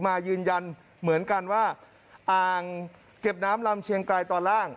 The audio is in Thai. มายืนยันเหมือนกันว่าอ่างเก็บน้ำลำเชียงไกรตอนล่าง